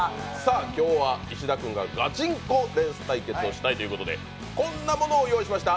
今日は石田君がガチンコレース対決をしたいということでこんなものを用意しました。